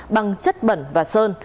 bằng chất bẩn và sơn